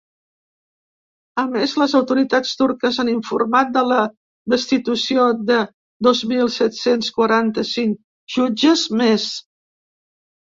A més, les autoritats turques han informat de la destitució de dos mil set-cents quaranta-cinc jutges més.